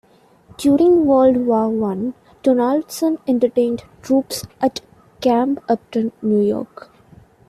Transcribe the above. During World War One, Donaldson entertained troops at Camp Upton, New York.